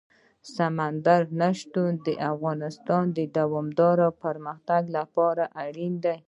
سمندر نه شتون د افغانستان د دوامداره پرمختګ لپاره اړین دي.